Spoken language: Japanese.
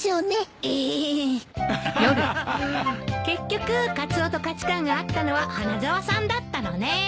結局カツオと価値観が合ったのは花沢さんだったのね。